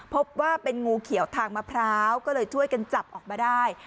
พบว่าเป็นงูเขียวทางมะพร้าวก็เลยช่วยกันจับออกมาได้